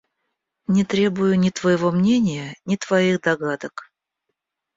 Не требую ни твоего мнения, ни твоих догадок.